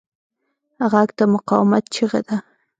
غږ د مقاومت چیغه ده